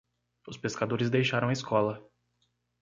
Os pescadores deixaram a escola.